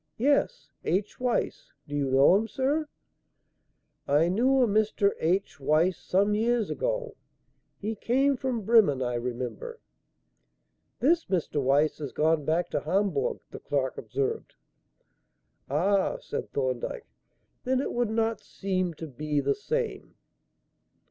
"Yes; H Weiss. Do you know him, sir?" "I knew a Mr. H. Weiss some years ago. He came from Bremen, I remember." "This Mr. Weiss has gone back to Hamburg," the clerk observed. "Ah," said Thorndyke, "then it would seem not to be the same.